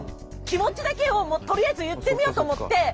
気持ちだけをとりあえず言ってみようと思って。